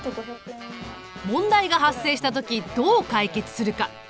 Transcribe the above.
問題が発生した時どう解決するか。